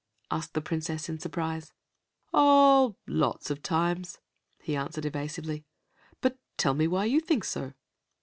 asked the Princess, in surprise. "Oh, lots of times," he answered evasively. "But tell me why you think so."